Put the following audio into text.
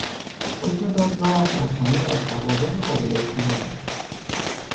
حکم دادگاه مبتنی بر سوابق قابل اطمینان بود.